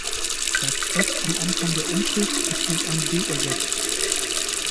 Das „F“ am Anfang der Umschrift ist durch ein „W“ ersetzt.